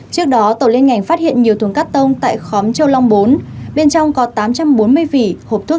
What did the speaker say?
trước đó tổ liên ngành phát hiện nhiều thùng cắt tông tại khóm châu long bốn bên trong có tám trăm bốn mươi vỉ hộp thuốc